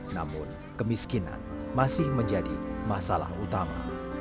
namun kemiskinan masih menjadi masalah utama